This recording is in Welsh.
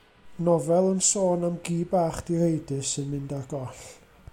Nofel yn sôn am gi bach direidus sy'n mynd ar goll.